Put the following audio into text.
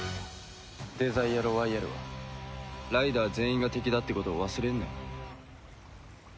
デザイアロワイヤルはライダー全員が敵だってことを忘れんなよ。